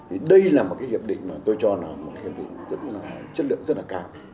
thì đây là một cái hiệp định mà tôi cho là một hiệp định rất là chất lượng rất là cao